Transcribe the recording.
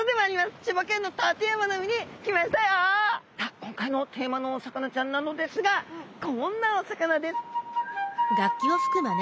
今回のテーマのお魚ちゃんなのですがこんなお魚です。